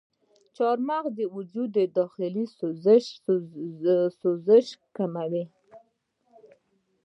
چارمغز د وجود داخلي سوزشونه کموي.